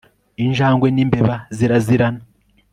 injangwe nimbeba zirazirana